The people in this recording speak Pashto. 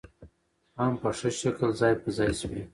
هم په ښه شکل ځاى په ځاى شوې .